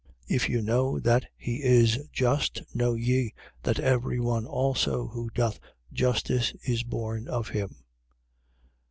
2:29. If you know that he is just, know ye, that every one also who doth justice is born of him.